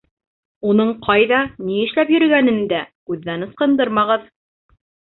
Уның ҡайҙа, ни эшләп йөрөгәнен дә күҙҙән ысҡындырмағыҙ.